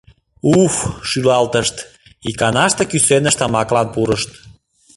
«Уф-ф!» — шӱлалтышт, иканаште кӱсеныш тамаклан пурышт.